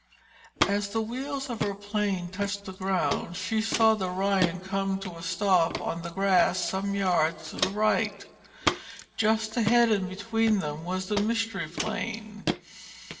As the wheels of her plane touched the ground, she saw the Ryan come to a stop on the grass some yards to the right. Just ahead and between them was the Mystery Plane.